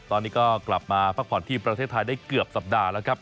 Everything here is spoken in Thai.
ตอนนี้ก็กลับมาพักผ่อนที่ประเทศไทยได้เกือบสัปดาห์แล้วครับ